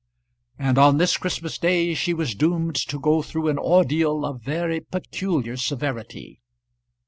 And on this Christmas day she was doomed to go through an ordeal of very peculiar severity.